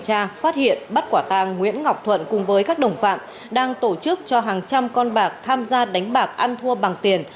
tra phát hiện bắt quả tàng nguyễn ngọc thuận cùng với các đồng phạm đang tổ chức cho hàng trăm con bạc tham gia đánh bạc ăn thua bằng tiền